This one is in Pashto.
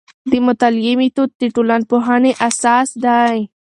د مطالعې میتود د ټولنپوهنې اساس دی.